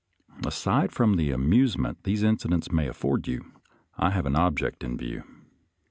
Aside from the amusement these incidents may afford you, I have an object in view.